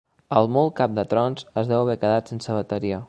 El molt cap de trons es deu haver quedat sense bateria.